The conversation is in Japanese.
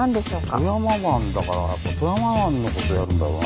富山湾だからやっぱ富山湾のことやるんだろうな。